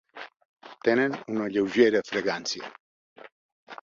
Tenen una lleugera fragància.